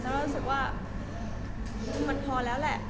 แล้วรู้สึกว่ามันพอแล้วแหละ